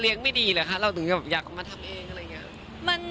เรียกไม่ดีหรือเราถึงอยากทำเอง